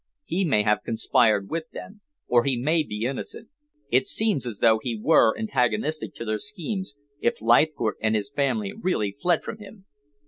He may have conspired with them, or he may be innocent. It seems as though he were antagonistic to their schemes, if Leithcourt and his family really fled from him."